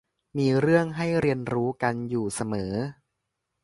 มีเรื่องให้เรียนรู้กันอยู่เสมอ